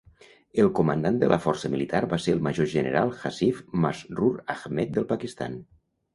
El comandant de la força militar va ser el major general Hafiz Masroor Ahmed del Pakistan.